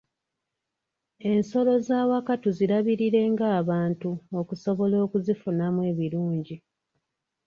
Ensolo z'awaka tuzirabirire ng'abantu okusobola okuzifunamu ebirungi.